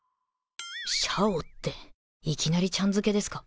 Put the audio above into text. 「シャオ」っていきなりちゃん付けですか